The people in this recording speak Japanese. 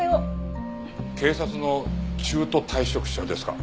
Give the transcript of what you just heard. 警察の中途退職者ですか？